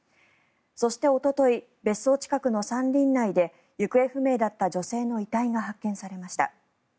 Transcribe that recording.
そしておととい別荘近くの山林内で行方不明だった女性の遺体が発見されました。